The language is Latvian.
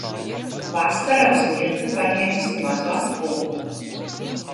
Vasara uz mirkli paņēmusi mazu atpūtu.